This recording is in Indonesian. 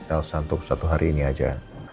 elsa untuk satu hari ini aja